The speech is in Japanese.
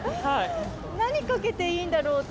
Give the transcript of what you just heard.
何掛けていいんだろうって。